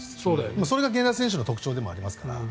それが源田選手の特徴でもありますから。